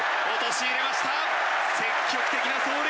陥れました。